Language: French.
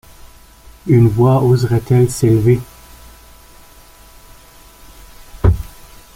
Une voix oserait-elle s’élever